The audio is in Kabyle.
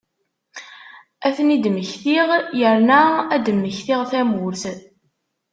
Ad ten-id-mmektiɣ, yerna ad d-mmektiɣ tamurt.